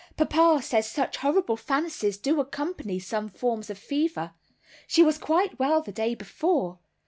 Papa says such horrible fancies do accompany some forms of fever. She was quite well the day before.